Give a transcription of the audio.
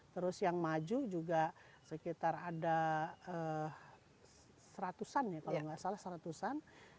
terus yang maju juga sekitar ada seratusan ya kalau nggak salah seratusan